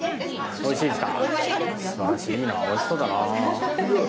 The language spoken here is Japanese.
おいしいでしょ？